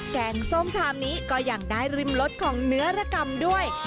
งส้มชามนี้ก็ยังได้ริมรสของเนื้อระกรรมด้วย